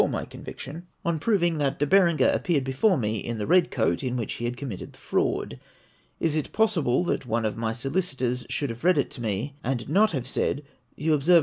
455 on proving that De Berenger apjoeared before me in the red coat in which he committed the fraud. Is it possible tliat one of my solicitors should have read it to me and not have said, " You observe.